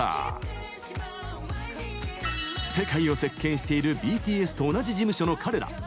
世界を席けんしているＢＴＳと同じ事務所の彼ら。